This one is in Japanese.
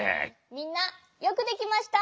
みんなよくできました！